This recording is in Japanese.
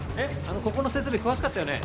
ここの設備詳しかったよね？